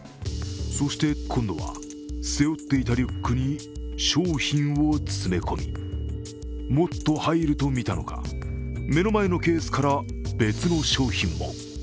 そして今度は、背負っていたリュックに商品を詰め込み、もっと入るとみたのか目の前のケースから別の商品も。